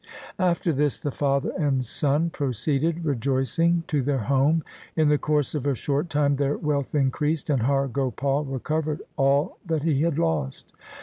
After this the father and son proceeded rejoicing to their home. In the course of a short time their wealth increased, and Har Gopal recovered all that he had lost.